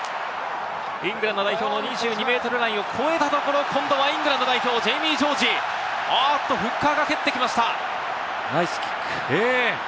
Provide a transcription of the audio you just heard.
イングランド代表の２２ｍラインを越えたところ、今度はイングランド代表ジェイミー・ジョージ、ナイスキック。